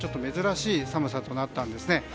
珍しい寒さとなったんですね。